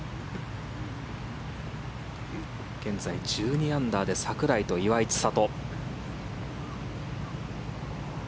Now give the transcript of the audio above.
現在１２アンダーで櫻井と岩井千怜。